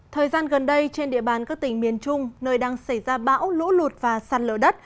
thời gian gần đây trên địa bàn các tỉnh miền trung nơi đang xảy ra bão lũ lụt và săn lỡ đất